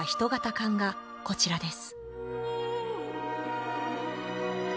棺がこちらです